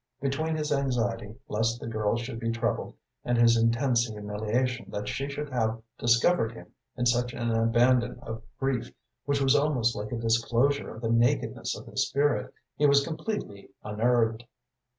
Between his anxiety lest the girl should be troubled, and his intense humiliation that she should have discovered him in such an abandon of grief which was almost like a disclosure of the nakedness of his spirit, he was completely unnerved.